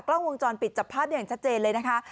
กล้องวงจรปิดจับภาพได้อย่างชัดเจนเลยนะคะ